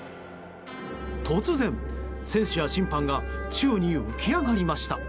突然、選手や審判が宙に浮き上がりました。